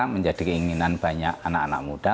menjadi keinginan banyak anak anak muda